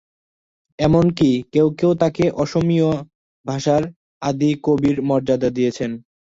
এমন কি কেউ কেউ তাকে অসমীয়া ভাষার আদি কবির মর্যাদা দিয়েছেন।